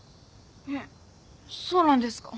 えっそうなんですか？